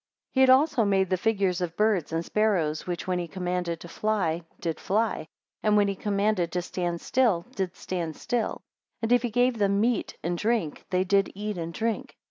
6 He had also made the figures of birds and sparrows, which, when he commanded to fly, did fly, and when he commanded to stand still, did stand still; and if he gave them meat and drink, they did eat and drink.